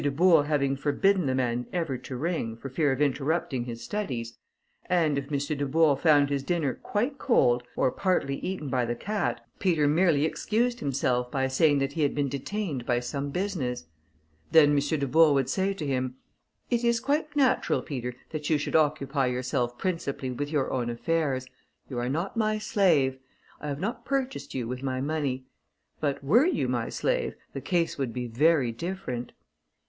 Dubourg having forbidden the man ever to ring, for fear of interrupting his studies, and if M. Dubourg found his dinner quite cold, or partly eaten by the cat, Peter merely excused himself by saying, that he had been detained by some business. Then M. Dubourg would say to him: "It is quite natural, Peter, that you should occupy yourself principally with your own affairs; you are not my slave; I have not purchased you with my money: but were you my slave, the case would be very different."